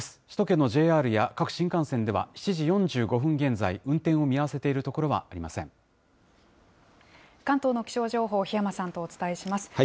首都圏のＪＲや各新幹線では、７時４５分現在、運転を見合わせて関東の気象情報、檜山さんとお伝えします。